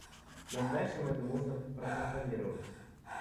В настоящем это можно проконтролировать